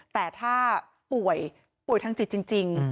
แต่ถ้าป่วยป่วยทางจิตจริง